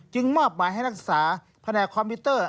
มอบหมายให้นักศึกษาแผนกคอมพิวเตอร์